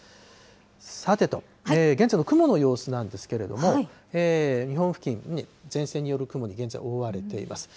さてと、現在の雲の様子なんですけれども、日本付近、前線による雲に現在、覆われています。